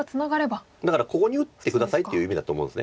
だから「ここに打って下さい」っていう意味だと思うんです。